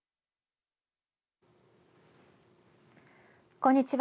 こんにちは。